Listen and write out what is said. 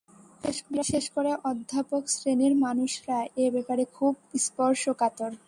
বিশেষ করে অধ্যাপক শ্রেণীর মানুষরা এ ব্যাপারে খুব স্পর্শকাতর।